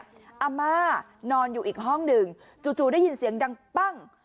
อาม่านอนอยู่อีกห้องหนึ่งจู่ได้ยินเสียงดังปั้ง